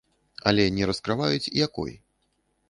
Але не раскрываюць, якой.